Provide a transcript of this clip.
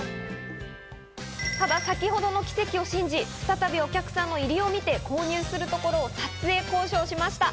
ただ先ほどの奇跡を信じ、再びお客さんの入りを見て、購入するところを撮影交渉しました。